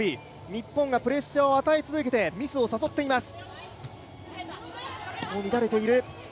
日本がプレッシャーを与え続けてミスを誘っています。